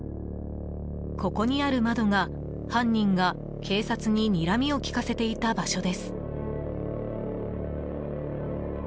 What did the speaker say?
ここにある窓が犯人が警察ににらみを利かせていた場所です。